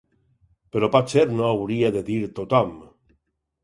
Però potser no hauria de dir tothom